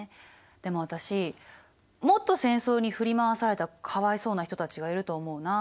でも私もっと戦争に振り回されたかわいそうな人たちがいると思うな。